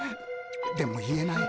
でも言えない。